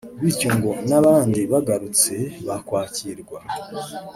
bityo ngo n’abandi bagarutse bakwakirwa